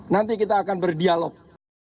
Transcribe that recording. nanti kita akan berdialog